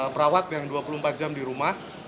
perawat yang dua puluh empat jam di rumah